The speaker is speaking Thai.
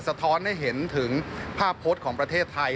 ท้อนให้เห็นถึงภาพโพสต์ของประเทศไทย